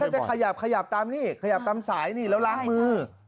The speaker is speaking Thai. ถ้าจะขยับตามนี้ขยับตามสายนี้แล้วล้างมือ